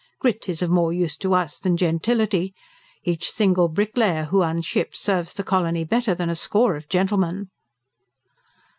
Grit is of more use to us than gentility. Each single bricklayer who unships serves the colony better than a score of gentlemen."